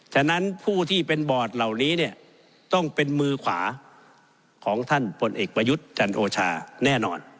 ฉะนั้นผู้ที่เป็นบอร์ดเหล่านี้เนี่ยต้องเป็นมือขวาของท่านพลเอกประยุทธ์จันโอชาแน่นอน